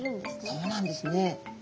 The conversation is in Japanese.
そうなんですね。